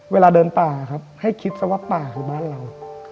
เวลาเดินป่าครับให้คิดซะว่าป่าคือบ้านเรา